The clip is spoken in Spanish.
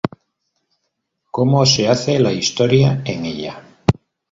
Cómo se "hace" la historia en ella.